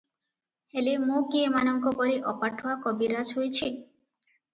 ହେଲେ ମୁଁ କି ଏମାନଙ୍କପରି ଅପାଠୁଆ କବିରାଜ ହୋଇଛି?